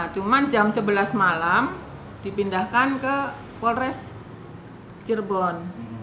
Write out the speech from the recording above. cuma jam sebelas malam dipindahkan ke polres cirebon